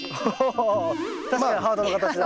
お確かにハートの形だ。